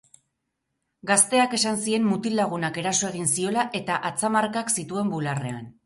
Gazteak esan zien mutil-lagunak eraso egin ziola eta atzamarkak zituen bularrean.